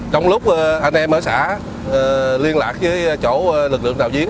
trong lúc anh em ở xã liên lạc với chỗ lực lượng đạo diễn